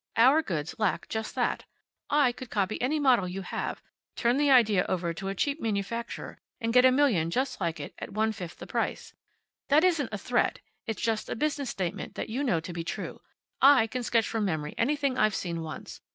Our goods lack just that. I could copy any model you have, turn the idea over to a cheap manufacturer, and get a million just like it, at one fifth the price. That isn't a threat. It's just a business statement that you know to be true. I can sketch from memory anything I've seen once.